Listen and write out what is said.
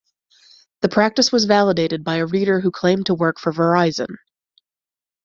The practice was validated by a reader who claimed to work for Verizon.